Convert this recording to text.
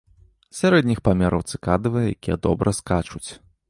Сярэдніх памераў цыкадавыя, якія добра скачуць.